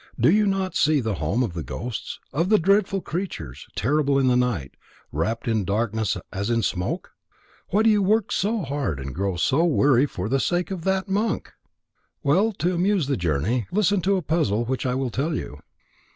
Do you not see the home of the ghosts, full of dreadful creatures, terrible in the night, wrapped in darkness as in smoke? Why do you work so hard and grow weary for the sake of that monk? Well, to amuse the journey, listen to a puzzle which I will tell you."